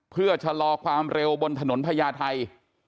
เพื่อชะลอความเร็วบนถนนพญาไทย